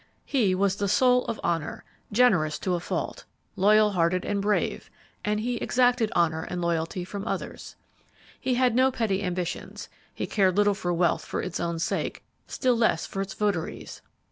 He was the soul of honor, generous to a fault, loyal hearted and brave, and he exacted honor and loyalty from others. He had no petty ambitions; he cared little for wealth for its own sake, still less for its votaries.